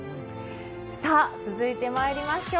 続いて、まいりましょう。